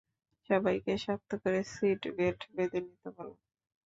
সবাইকে শক্ত করে সিট বেল্ট বেঁধে নিতে বলো।